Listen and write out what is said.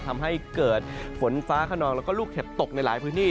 ทำให้เกิดฝนฟ้าขนองแล้วก็ลูกเห็บตกในหลายพื้นที่